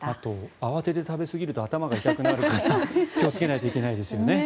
慌てて食べすぎると頭が痛くなるから気をつけないといけないですよね。